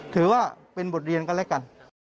ถือว่าเป็นบทเรียนกันและกัน